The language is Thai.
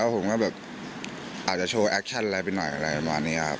ผมก็แบบอาจจะโชว์แอคชั่นอะไรไปหน่อยอะไรประมาณนี้ครับ